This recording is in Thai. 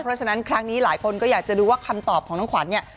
เพราะฉะนั้นครั้งนี้หลายคนก็อยากจะดูว่าคำตอบของน้องขวัญเนี่ย